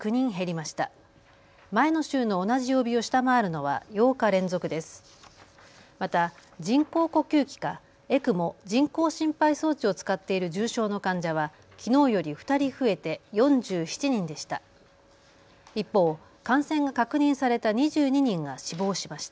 また人工呼吸器かＥＣＭＯ・人工心肺装置を使っている重症の患者はきのうより２人増えて４７人でした。